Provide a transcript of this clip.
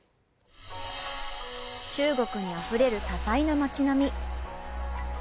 中国にあふれる多彩な街並み。